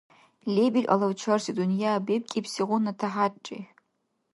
Лебил алавчарси дунъя бебкӏибсигъуна тяхӏярри.